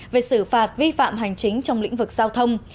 về xử phạt vi phạm hành chính trong lĩnh vực giao thông